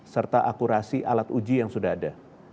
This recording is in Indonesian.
serta akurasi alat uji yang sudah ada